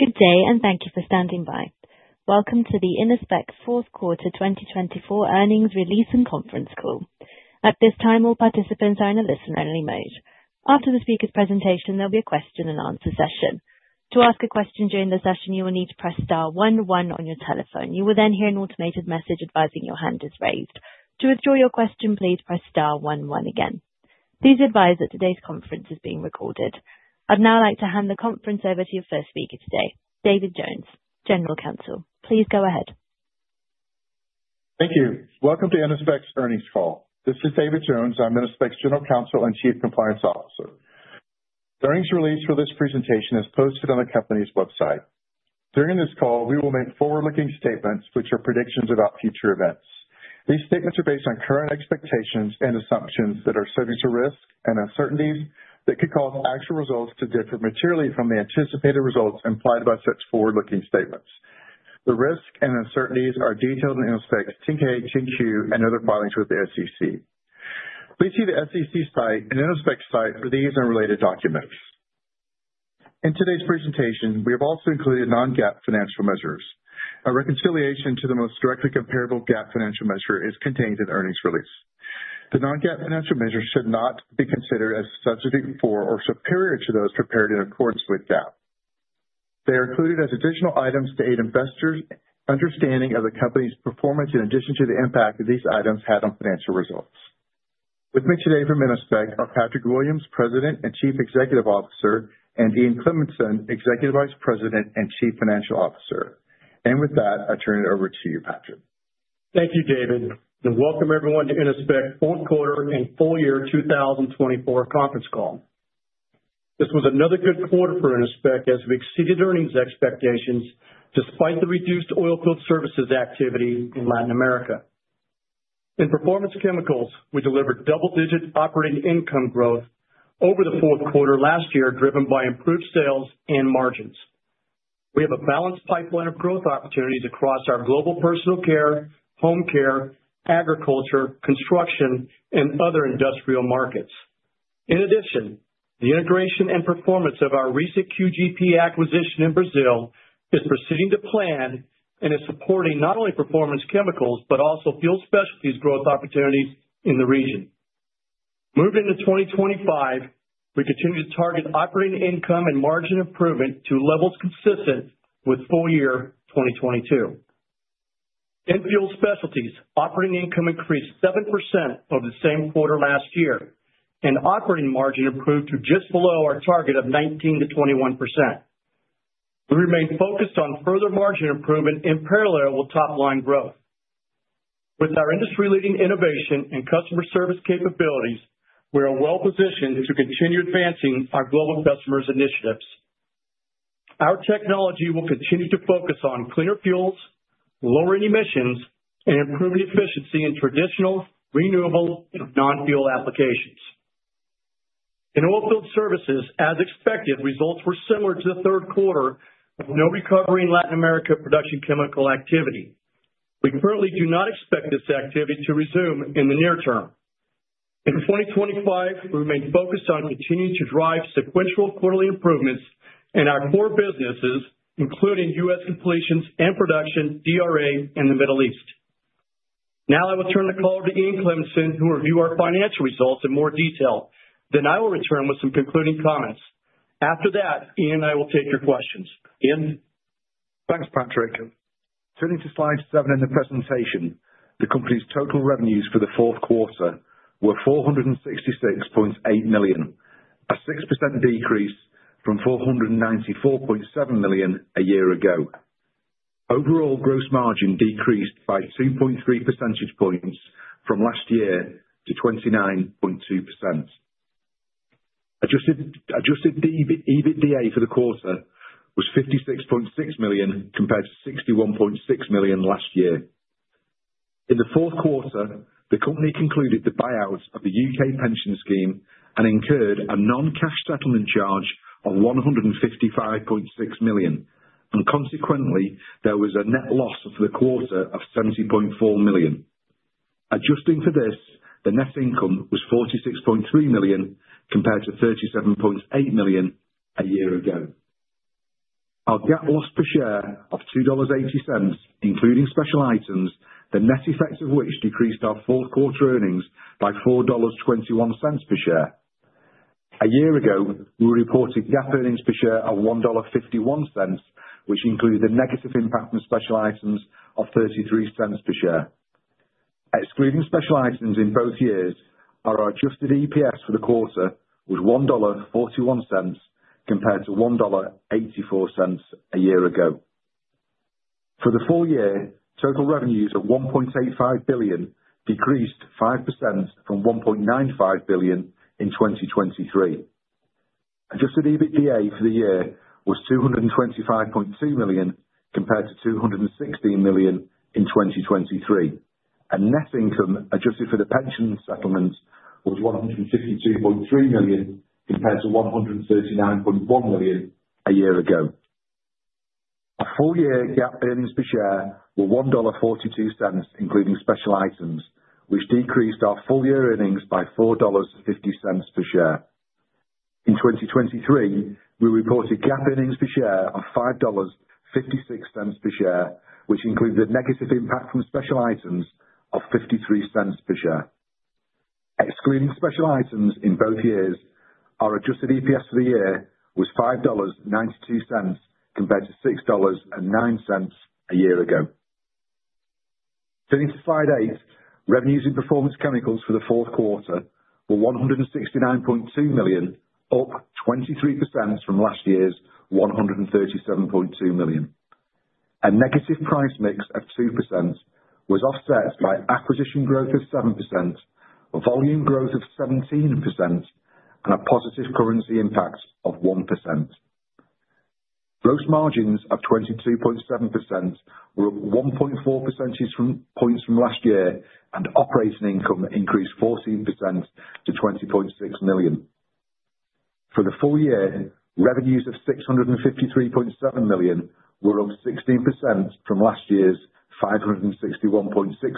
Good day and thank you for standing by. Welcome to the Innospec fourth quarter 2024 earnings release and conference call. At this time, all participants are in a listen only mode. After the speaker's presentation, there will be a question and answer session. To ask a question during the session, you will need to press star one one on your telephone. You will then hear an automated message advising your hand is raised to withdraw your question. Please press star one one again. Please advise that today's conference is being recorded. I'd now like to hand the conference over to your first speaker today, David Jones, General Counsel. Please go ahead. Thank you. Welcome to Innospec's Earnings Call. This is David Jones. I'm Innospec's General Counsel and Chief Compliance Officer. The earnings release for this presentation is posted on the company's website. During this call we will make forward-looking statements which are predictions about future events. These statements are based on current expectations and assumptions that are subject to risk and uncertainties that could cause actual results to differ materially from the anticipated results implied by such forward-looking statements. The risks and uncertainties are detailed in Innospec's 10-K, 10-Q and other filings with the SEC. Please see the SEC site and Innospec site for these and related documents. In today's presentation, we have also included non-GAAP financial measures. A reconciliation to the most directly comparable GAAP financial measure is contained in the earnings release. The non-GAAP financial measures should not be considered as substitute for or superior to those prepared in accordance with GAAP. They are included as additional items to aid investors' understanding of the company's performance in addition to the impact that these items had on financial results. With me today from Innospec are Patrick Williams, President and Chief Executive Officer, and Ian Cleminson, Executive Vice President and Chief Financial Officer. With that, I turn it over to you, Patrick. Thank you, David, and welcome everyone to Innospec's fourth quarter and full year 2024 conference call. This was another good quarter for Innospec as we exceeded earnings expectations despite the reduced Oilfield Services activity in Latin America. In Performance Chemicals, we delivered double digit operating income growth over the fourth quarter last year driven by improved sales and margins. We have a balanced pipeline of growth opportunities across our global personal care, home care, agriculture, construction and other industrial markets. In addition, the integration and performance of our recent QGP acquisition in Brazil is proceeding to plan and is supporting not only Performance Chemicals but also Fuel Specialties growth opportunities in the region. Moving to 2025, we continue to target operating income and margin improvement to levels consistent with full year 2022. In Fuel Specialties, operating income increased 7% over the same quarter last year and operating margin improved to just below our target of 19%-21%. We remain focused on further margin improvement in parallel with top line growth. With our industry-leading innovation and customer service capabilities, we are well positioned to continue advancing our global customers' initiatives. Our technology will continue to focus on cleaner fuels, lowering emissions and improving efficiency in traditional renewable non-fuel applications in Oilfield Services. As expected, results were similar to the third quarter with no recovery in Latin America production chemical activity. We currently do not expect this activity to resume in the near term in 2025. We remain focused on continuing to drive sequential quarterly improvements in our core businesses including U.S. Completions and Production DRA in the Middle East. Now I will turn the call over to Ian Cleminson who will review our financial results in more detail. Then I will return with some concluding comments. After that, Ian and I will take your questions. Ian, thanks, Patrick. Turning to Slide 7 in the presentation, the company's total revenues for the fourth quarter were $466.8 million, a 6% decrease from $494.7 million a year ago. Overall gross margin decreased by 2.3 percentage points from last year to 29.2%. Adjusted EBITDA for the quarter was $56.6 million compared to $61.6 million last year. In the fourth quarter the company concluded the buyout of the UK pension scheme and incurred a non-cash settlement charge of $15.6 million and consequently there was a net loss for the quarter of $70.4 million. Adjusting for this, the net income was $46.3 million compared to $37.8 million a year ago. Our GAAP loss per share was $2.80 including special items, the net effect of which decreased our fourth quarter earnings by $4.21 per share. A year ago we reported GAAP earnings per share of $1.51 which included negative impact from special items of $0.33 per share. Excluding special items in both years, our adjusted EPS for the quarter was $1.41 compared to $1.84 a year ago. For the full year, total revenues of $1.85 billion decreased 5% from $1.95 billion in 2023. Adjusted EBITDA for the year was $225.2 million compared to $216 million in 2023 and net income adjusted for the pension settlement was $152.3 million compared to $139.1 million a year ago. Our full year GAAP earnings per share were $1.42 including special items, which decreased our full year earnings by $4.50 per share. In 2023 we reported GAAP earnings per share of $5.56 per share, which included negative impact from special items of $0.53 per share excluding special items. In both years, our adjusted EPS for the year was $5.92 compared to $6.09 a year ago. Turning to slide eight, revenues in Performance Chemicals for the fourth quarter were $169.2 million, up 23% from last year's $137.2 million. A negative price mix of 2% was offset by acquisition growth of 7%, volume growth of 17% and a positive currency impact of 1%. Gross margins of 22.7% were up 1.4 percentage points from last year and operating income increased 14% to $20.6 million. For the full year, revenues of $653.7 million were up 16% from last year's $561.6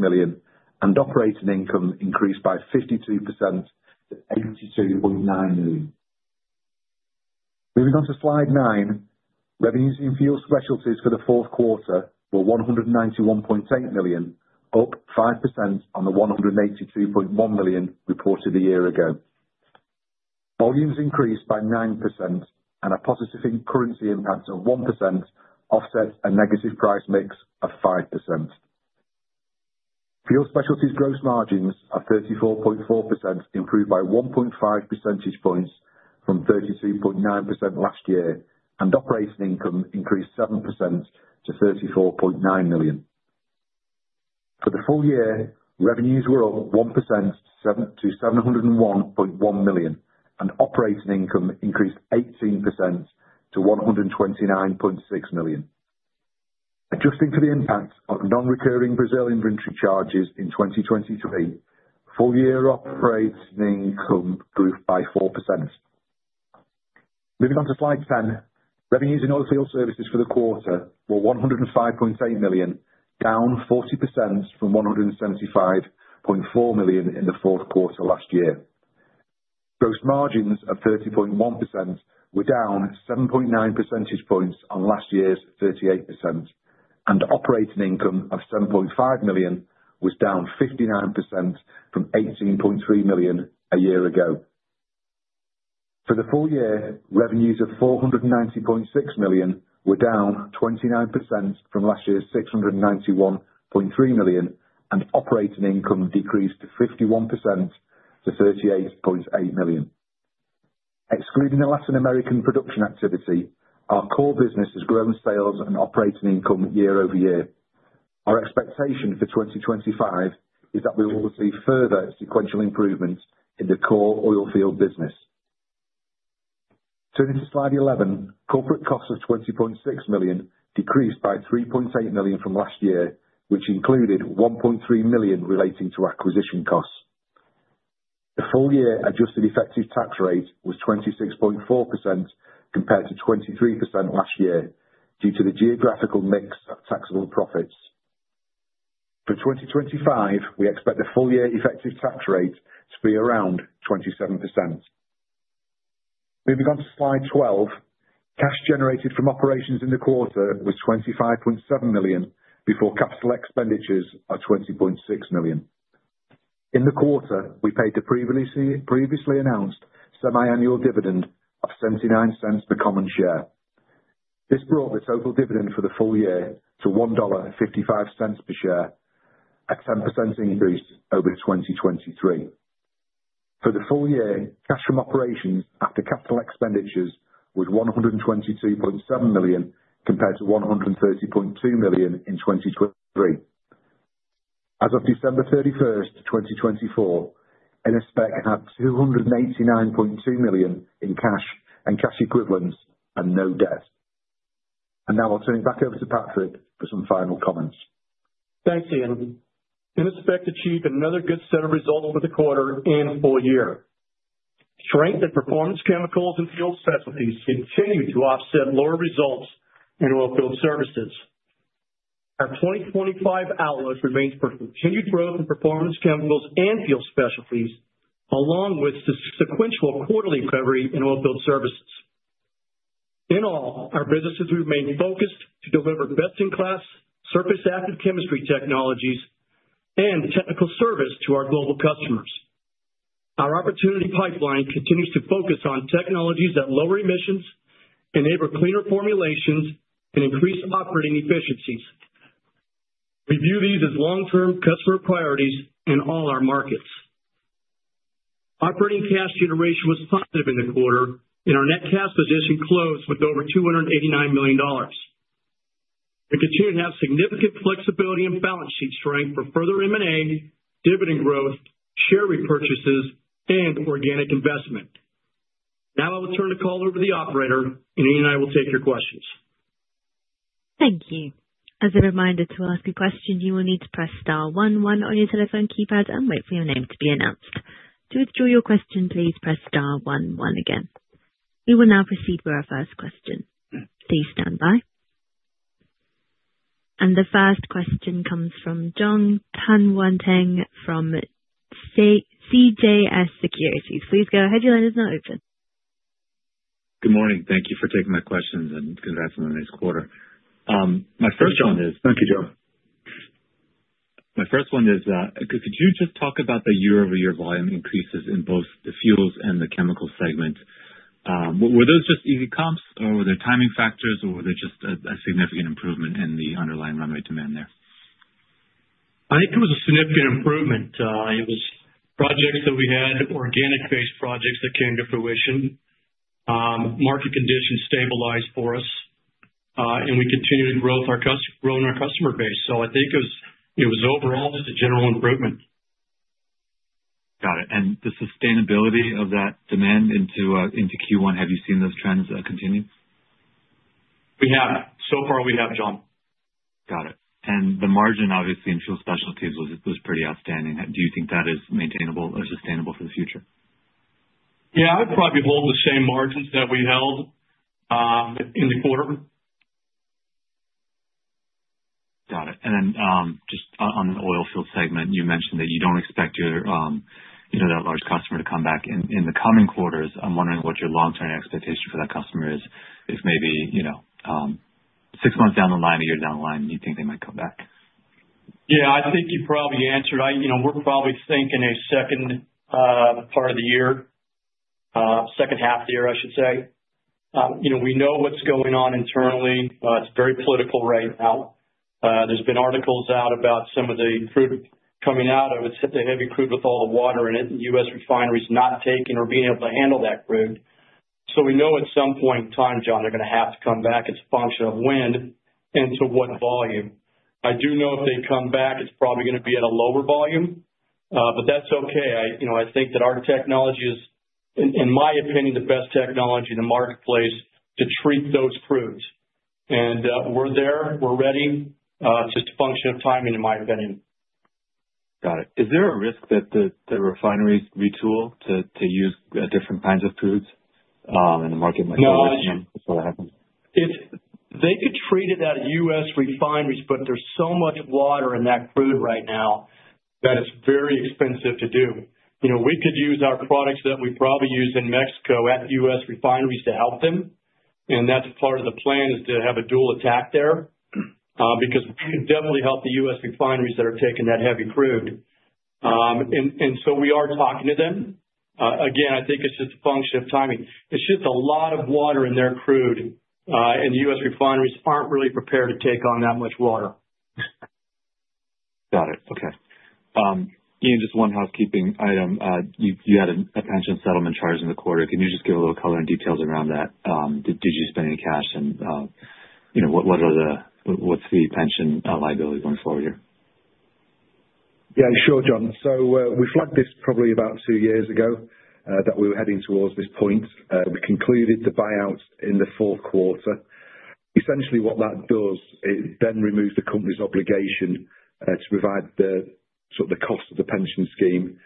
million and operating income increased by 52% to $82.9 million. Moving on to slide 9, revenues in. Fuel Specialties for the fourth quarter were $191.8 million, up 5% on the $182.1 million reported a year ago. Volumes increased by 9% and a positive currency impact of 1% offset a negative price mix of 5%. Fuel Specialties gross margins are 34.4%, improved by 1.5 percentage points from 32.9% last year and operating income increased 7% to $34.9 million for the full year. Revenues were up 1% to $701.1 million and operating income increased 18% to $129.6 million. Adjusting for the impact of non-recurring Brazil inventory charges in 2023, full year operating income grew by 4%. Moving on to slide 10, revenues in Oilfield Services for the quarter were $105.8 million, down 40% from $175.4 million in the fourth quarter last year. Gross margins of 30.1% were down 7.9 percentage points on last year's 38% and operating income of $7.5 million was down 59% from $18.3 million a year ago. For the full year, revenues of $490.6 million were down 29% from last year's $691.3 million and operating income decreased 51% to $38.8 million. Excluding the Latin American production activity, our core business has grown sales and operating income year over year. Our expectation for 2025 is that we will see further sequential improvements in the core oilfield business. Turning to slide 11, corporate costs of $20.6 million decreased by $3.8 million from last year, which included $1.3 million relating to acquisition costs. The full year adjusted effective tax rate was 26.4% compared to 23% last year. Due to the geographical mix of taxable profits for 2025, we expect the full year effective tax rate to be around 27%. Moving on to Slide 12, cash generated from operations in the quarter was $25.7 million before capital expenditures are $20.6 million in the quarter. We paid the previously announced semi-annual dividend of $0.79 per common share. This brought the total dividend for the full year to $1.55 per share, a 10% increase over 2023. For the full year, cash from operations after capital expenditures was $122.7 million compared to $130.2 million in 2023. As of December 31, 2024, Innospec had $289.2 million in cash and cash equivalents and no debt. Now I'll turn it back over to Patrick for some final comments. Thanks, Ian, and expect to achieve another good set of results for the quarter and full year. Strength in Performance Chemicals and Fuel Specialties continues to offset lower results in Oilfield Services. Our 2025 outlook remains for continued growth in Performance Chemicals and Fuel Specialties along with sequential quarterly recovery in Oilfield Services. In all, our businesses remain focused to deliver best in class surface active chemistry technologies and technical service to our global customers. Our opportunity pipeline continues to focus on technologies that lower emissions, enable cleaner formulations and increase operating efficiencies. We view these as long term customer priorities in all our markets. Operating cash generation was positive in the quarter and our net cash position closed with over $289 million. We continue to have significant flexibility in balance sheet strength for further M&A, dividend growth, share repurchases and organic investment. Now I will turn the call over to the operator, and Ian and I will take your questions. Thank you. As a reminder to ask a question, you will need to press star one one on your telephone keypad and wait for your name to be announced. To withdraw your question, please press star one one again. We will now proceed with our first question. Please stand by. And the first question comes from Jon Tanwanteng from CJS Securities. Please go ahead. Your line is not open. Good morning. Thank you for taking my questions and congrats on the next quarter. My first one is. Thank you, Jon. My first one is, could you just talk about the year over year volume increases in both the fuels and the chemicals segment? Were those just easy comps or were there timing factors or were they just a significant improvement in the underlying run rate demand there? I think it was a significant improvement. It was projects that we had, organic based projects that came to fruition, market conditions stabilized for us and we continue to grow in our customer base. So I think it was overall just a general improvement. Got it. The sustainability of that demand into Q1. Have you seen those trends continue? So far we have Jon. Got it. The margin obviously in Fuel Specialties was pretty outstanding. Do you think that is maintainable or sustainable for the future? Yeah, I'd probably hold the same margins that we held in the quarter. Got it. And then just on the oilfield segment you mentioned that you don't expect that large customer to come back in the coming quarters. I'm wondering what your long term expectation for that customer is if maybe six months down the line, a year down the line, you think they might come back? Yeah, I think you probably answered. We're probably thinking a second part of the year, second half year I should say. We know what's going on internally. It's very political right now. There's been articles out about some of the crude coming out of it. It's hit the heavy crude with all the water in it and U.S. refineries not taking or being able to handle that crude. So we know at some point in time, Jon, they're going to have to come back. It's a function of when and to what volume. I do know if they come back it's probably going to be at a lower volume, but that's okay. I think that our technology is in my opinion the best technology in the marketplace to treat those crudes, and we're there, we're ready. Just a function of timing in my opinion. Got it. Is there a risk that the refineries retool to use different kinds of crudes and the market might happen they could? Treat it at U.S. refineries but there's so much water in that crude right now that it's very expensive to do. You know, we could use our products that we probably use in Mexico at U.S. refineries to help them. And that's part of the plan is to have a dual attack there because we can definitely help the U.S. refineries that are taking that heavy crude. And so we are talking to them again. I think it's just a function of timing. It's just a lot of water in their crude and the U.S. refineries aren't really prepared to take on that much water. Got it. Okay, Ian, just one housekeeping item. You had a pension settlement charge in the quarter. Can you just give a little color and details around that? Did you spend any cash? What's the pension liability going forward here? Yes, sure, Jon. So we flagged this probably about two years ago that we were heading towards this point. We concluded the buyout in the fourth quarter. Essentially what that does, it then removes the company's obligation to provide the sort of the cost of the pension scheme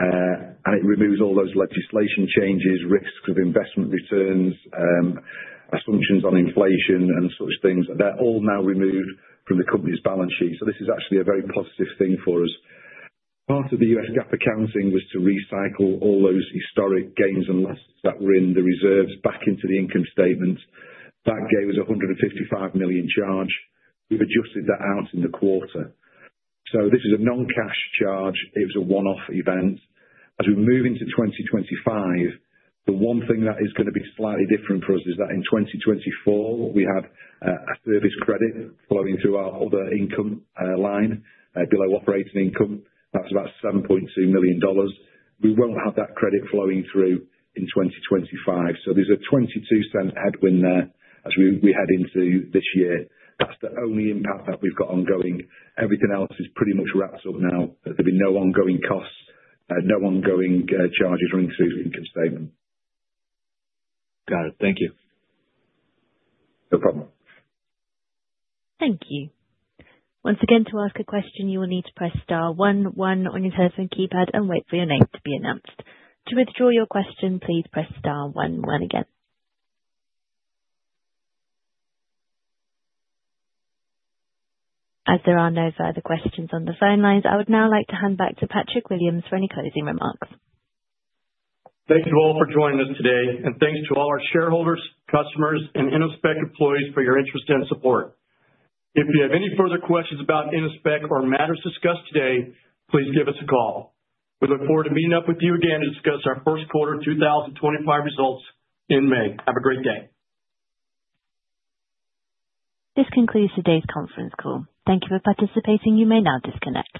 and it removes all those legislation changes, risks of investment returns, assumptions on inflation and such things. They're all now removed from the company's balance sheet. So this is actually a very positive thing for us. Part of the U.S. GAAP accounting was to recycle all those historic gains and losses that were in the reserves back into the income statement that gave us $155 million charge. We've adjusted that out in the quarter. So this is a non-cash charge. It was a one-off event. As we move into 2025, the one thing that is going to be slightly different for us is that in 2024 we have a service credit flowing through our other income line below operating income. That's about $7.2 million. We won't have that credit flowing through in 2025. So there's a 22 cent headwind there as we head into this year. That's the only impact that we've got ongoing. Everything else is pretty much wrapped up now. There'll be no ongoing costs, no ongoing charges or increased income statement. Got it. Thank you. No problem. Thank you. Once again. To ask a question, you will need to press star one one on your telephone keypad and wait for your name to be announced. To withdraw your question, please press star one one again. As there are no further questions on the phone lines. I would now like to hand back to Patrick Williams for any closing remarks. Thank you all for joining us today and thanks to all our shareholders, customers and Innospec employees for your interest and support. If you have any further questions about Innospec or matters discussed today, please give us a call. We look forward to meeting up with you again to discuss our first quarter 2025 results in May. Have a great day. This concludes today's conference call. Thank you for participating. You may now disconnect.